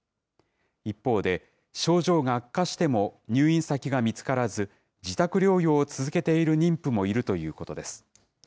一方で、症状が悪化しても入院先が見つからず、自宅療養を続けている妊婦もいるということです。